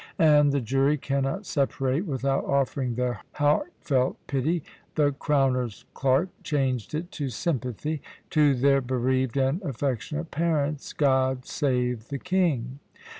And the jury cannot separate without offering their heartfelt pity" the Crowner's clerk changed it to 'sympathy' "to their bereaved and affectionate parents. God save the King!"